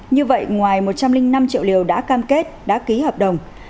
như vậy ngoài một trăm linh năm triệu liều đã cam kết đã ký hợp đồng